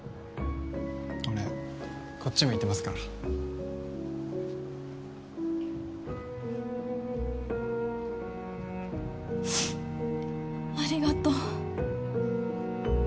俺こっち向いてますからありがとう